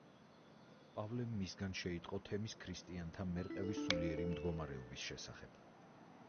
პავლემ მისგან შეიტყო თემის ქრისტიანთა მერყევი სულიერი მდგომარეობის შესახებ.